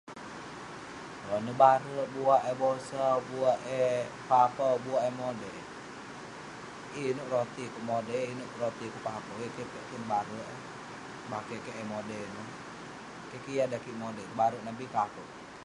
Nebarek buak eh bosau buak eh papau buak eh modai. Yeng ineuk roti kok modai, ye ineuk roti kok papau. Yeng keh piak kek nebarek eh. Bakeh kek eh modai ineh. Keh ke yah dan kik modai, tebarek nah bi ke akeuk.